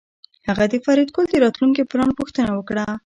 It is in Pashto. هغه د فریدګل د راتلونکي پلان پوښتنه وکړه